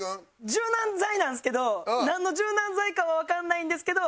柔軟剤なんですけどなんの柔軟剤かはわからないんですけど。